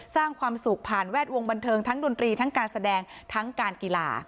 สร้างความสุขผ่านแวดวงบันเทิงทั้งดนตรีทั้งการแสดงทั้งการกีฬา